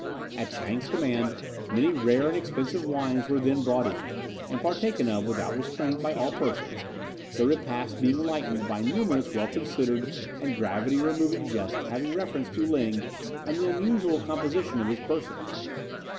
At Chang's command many rare and expensive wines were then brought in, and partaken of without restraint by all persons, the repast being lightened by numerous well considered and gravity removing jests having reference to Ling and the unusual composition of his person.